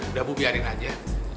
udah bu biarin aja